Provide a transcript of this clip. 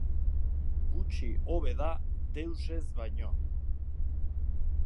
Gutxi hobe da deus ez baino.